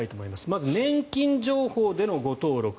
まず年金情報での誤登録。